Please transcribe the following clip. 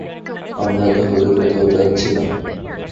আমরা তাহলে কোথাও যাচ্ছি না।